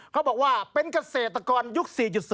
เขาบอกว่าเป็นเกษตรกรยุค๔๐